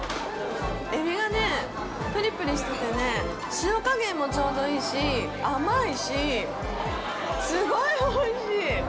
エビがね、プリプリしててね、塩加減もちょうどいいし、甘いし、すごいおいしい！